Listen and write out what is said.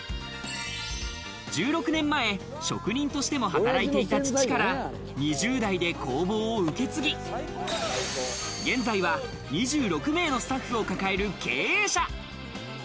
１６年前、職人としても働いていた父から２０代で工房を受け継ぎ、現在は２６名のスタッフを抱える経営者。